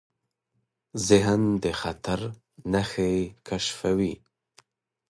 ذهن د خطر نښې کشفوي.